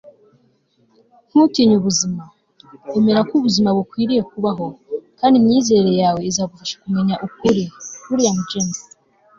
ntutinye ubuzima. emera ko ubuzima bukwiriye kubaho, kandi imyizerere yawe izagufasha kumenya ukuri. - william james